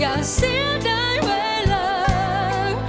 อย่าเสียดายเวลา